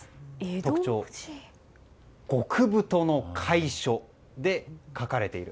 特徴、極太の楷書で書かれている。